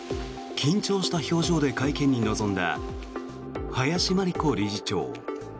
緊張した表情で会見に臨んだ林真理子理事長。